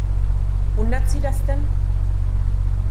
Wundert Sie das denn?